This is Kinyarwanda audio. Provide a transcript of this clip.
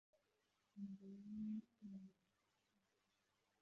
Imbwa eshatu zijimye zirimo gukina mu nyanja